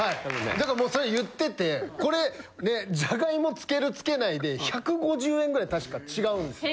だからもうそれ言っててこれジャガイモ付ける付けないで１５０円ぐらいたしか違うんですよ。